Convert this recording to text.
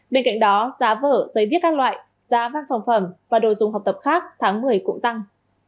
bên cạnh đó giá vở giấy viết các loại giá văn phòng phẩm và đồ dùng học tập khác tháng một mươi cũng tăng